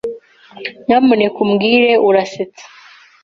Nyamuneka umbwire urasetsa.